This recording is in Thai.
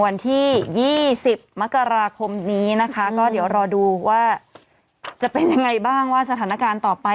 วันที่๒๐มกราคมนี้นะคะก็เดี๋ยวรอดูว่าจะเป็นยังไงบ้างว่าสถานการณ์ต่อไป